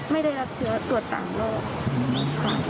ไม่ได้รับเชื้อตรวจต่างโรคค่ะ